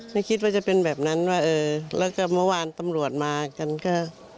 ไม่คิดว่าจะเป็นแบบนั้นว่าเออแล้วก็เมื่อวานตำรวจมากันก็